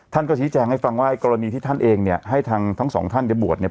ท่านก็ชี้แจงให้ฟังว่ากรณีที่ท่านเองเนี่ยให้ทางทั้งสองท่านเนี่ยบวชเนี่ย